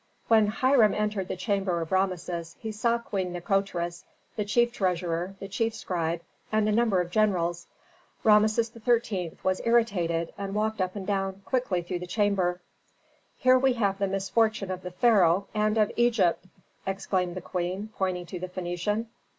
When Hiram entered the chamber of Rameses he saw Queen Nikotris, the chief treasurer, the chief scribe, and a number of generals. Rameses XIII. was irritated, and walked up and down quickly through the chamber. "Here we have the misfortune of the pharaoh, and of Egypt!" exclaimed the queen, pointing to the Phœnician.